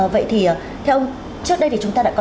vậy thì theo ông trước đây thì chúng ta đã có